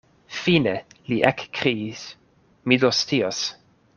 Fine, li ekkriis, mi do scios.